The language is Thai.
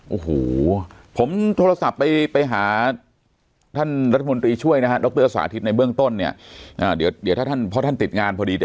โอ้โหผมโทรศัพท์ไปหาท่านรัฐมนตรีช่วยนะฮะดรสาธิตในเบื้องต้นเนี่ยเดี๋ยวถ้าท่านพ่อท่านติดงานพอดี